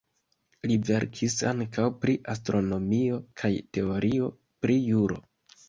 Li verkis ankaŭ pri astronomio kaj teorio pri juro.